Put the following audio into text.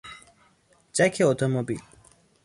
جک اتومبیل